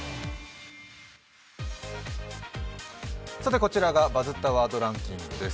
こちらが「バズったワードランキング」です。